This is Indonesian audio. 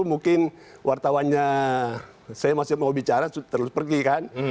mungkin wartawannya saya masih mau bicara terus pergi kan